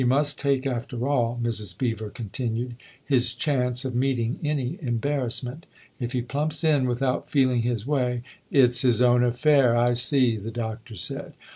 He must take, after all/' Mrs. Beever con tinued, " his chance of meeting any embarrassment. If he plumps in without feeling his way "" It's his own affair I see," the Doctor said.